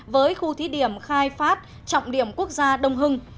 với khu thí điểm khai phát trọng điểm quốc gia đông hưng